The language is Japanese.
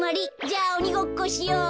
じゃあおにごっこしよう。